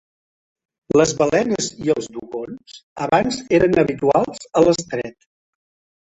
Les balenes i els dugongs abans eren habituals a l'estret.